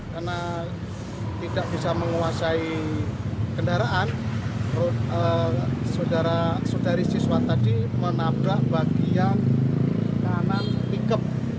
karena tidak bisa menguasai kendaraan saudari siswa tadi menabrak bagian kanan pickup